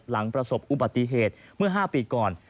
หลังประสบอุบัติเหตุเมื่อ๕ปีก่อน